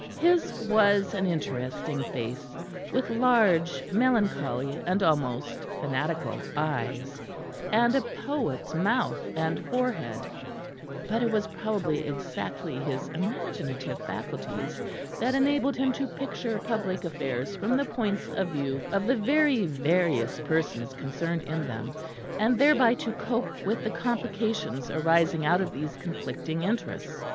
His was an interesting face, with large, melancholy, and almost fanatical eyes, and a poet's mouth and forehead; but it was probably exactly his imaginative faculties that enabled him to picture public affairs from the points of view of the very various persons concerned in them; and thereby to cope with the complications arising out of these conflicting interests.